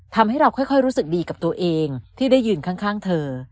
ทำให้เราค่อยรู้สึกดีกับตัวเองที่ได้ยืนข้างเธอ